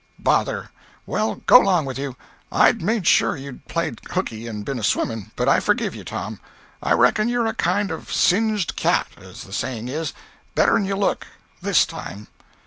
"Bother! Well, go 'long with you. I'd made sure you'd played hookey and been a swimming. But I forgive ye, Tom. I reckon you're a kind of a singed cat, as the saying is—better'n you look. This time."